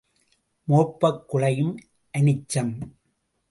மோப்பக் குழையும் அனிச்சம்!